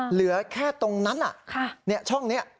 เหลือแค่ตรงนั้นช่องนี้